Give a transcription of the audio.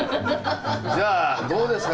じゃあどうですか？